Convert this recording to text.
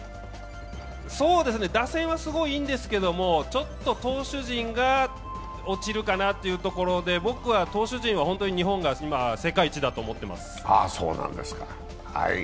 打線は、すごいいいんですけれどもちょっと投手陣が落ちるかなというところで、僕は投手陣は日本が今、世界一だと思っています。